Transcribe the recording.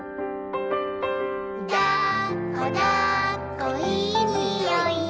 「だっこだっこいいにおい」